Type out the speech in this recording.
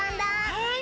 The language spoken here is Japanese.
はい。